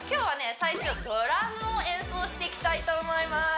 最初はドラムを演奏していきたいと思います